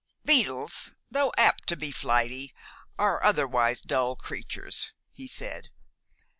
"Beetles, though apt to be flighty, are otherwise dull creatures," he said.